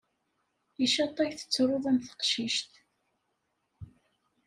Icaṭ ay tettruḍ am teqcict!